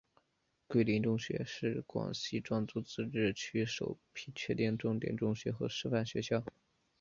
桂林中学是广西壮族自治区首批确定的重点中学和示范学校。